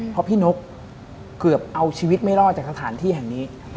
เพราะพี่นกเกือบเอาชีวิตไม่รอดจากสถานที่แห่งนี้